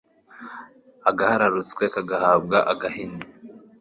agahararutswe kagahabwa agahini